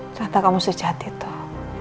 ternyata kamu sejati tuh